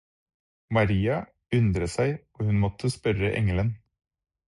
Maria undret seg, og hun måtte spørre engelen: